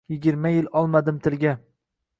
Yigirma yil olmadim tilga